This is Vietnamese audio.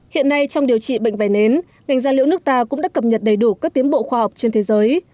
hiện nay trong điều trị bệnh vẩy nến ngành gia liễu nước ta cũng đã cập nhật đầy đủ các tiến bộ khoa học trên thế giới